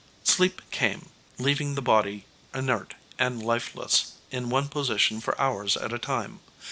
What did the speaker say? Sleep came, leaving the body inert and lifeless in one position for hours at a time.